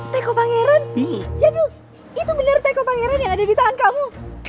teko pangeran janu itu benar teko pangeran yang ada di tangan kamu